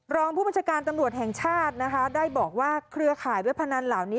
รองผู้บัญชาการตำรวจแห่งชาตินะคะได้บอกว่าเครือข่ายเว็บพนันเหล่านี้